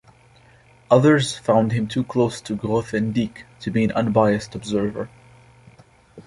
Others found him too close to Grothendieck to be an unbiased observer.